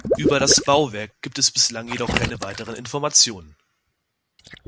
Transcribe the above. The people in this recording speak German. Über das Bauwerk gibt es bislang jedoch keine weiteren Informationen.